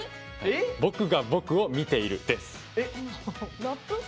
「僕が僕を見ている」です。